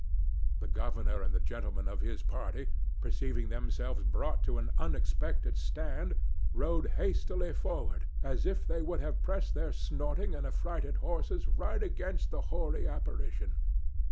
The governor and the gentlemen of his party, perceiving themselves brought to an unexpected stand, rode hastily forward, as if they would have pressed their snorting and affrighted horses right against the hoary apparition.